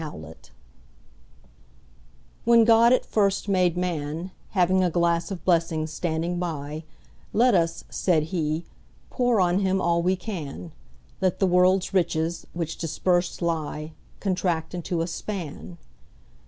The Pulley WHEN God at first made Man, Having a glass of blessings standing by—Let us (said He) pour on him all we can; Let the world's riches, which dispersèd lie, Contract into a span.